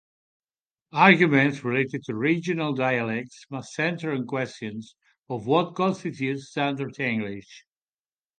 Arguments related to regional dialects must center on questions of what constitutes Standard English.